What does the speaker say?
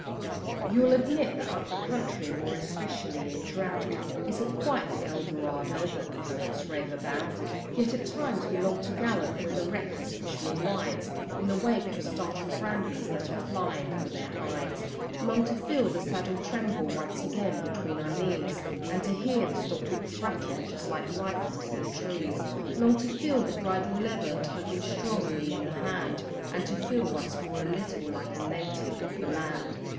..... You'll admit that Up the Country, more especially in drought, Isn't quite the Eldorado that the poets rave about, Yet at times we long to gallop where the reckless bushman rides In the wake of startled brumbies that are flying for their hides; Long to feel the saddle tremble once again between our knees And to hear the stockwhips rattle just like rifles in the trees! Long to feel the bridle leather tugging strongly in the hand And to feel once more a little like a native of the land.